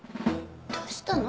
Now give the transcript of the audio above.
どうしたの？